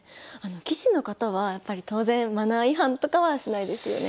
棋士の方は当然マナー違反とかはしないですよね？